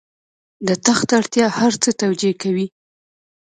د تخت اړتیا هر څه توجیه کوي.